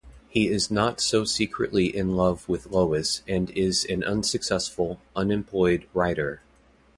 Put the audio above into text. He is not-so-secretly in love with Lois and is an unsuccessful, unemployed writer.